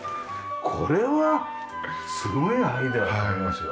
これはすごいアイデアだと思いますよ。